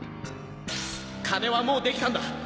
金はもうできたんだ。